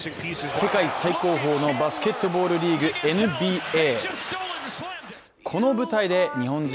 世界最高峰のバスケットボールリーグ、ＮＢＡ。